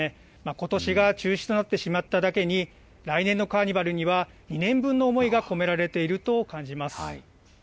ことしが中止となってしまっただけに、来年のカーニバルには２年分の思いが込められていると感じます。